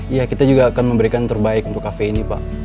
iya kita juga akan memberikan yang terbaik untuk kafe ini pak